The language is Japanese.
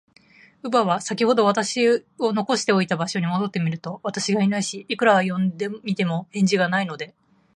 乳母は、さきほど私を残しておいた場所に戻ってみると、私がいないし、いくら呼んでみても、返事がないので、